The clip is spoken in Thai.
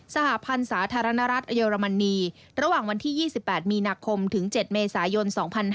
สหพันธ์สาธารณรัฐเยอรมนีระหว่างวันที่๒๘มีนาคมถึง๗เมษายน๒๕๕๙